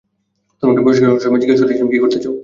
তোমাকে বহিষ্কার করার সময়, জিজ্ঞেস করেছিলাম কী করতে চাও।